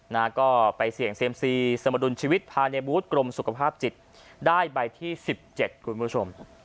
นะฮะก็ไปเสี่ยงเซียมซีสมดุลชีวิตภายในบูธกรมสุขภาพจิตได้ใบที่สิบเจ็ดคุณผู้ชม